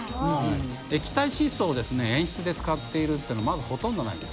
液体窒素を演出で使っているってまずほとんどないですよ。